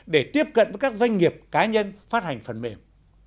để tiếp cận với các doanh nghiệp cá nhân phát hành phần mềm